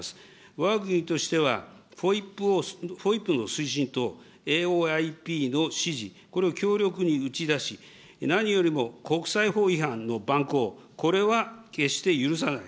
わが国としては、ＦＯＩＰの推進と、ＡＯＩＰの支持、これを強力に打ち出し、何よりも国際法違反の蛮行、これは決して許さない。